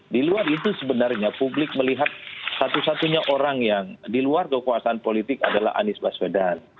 di luar itu sebenarnya publik melihat satu satunya orang yang di luar kekuasaan politik adalah anies baswedan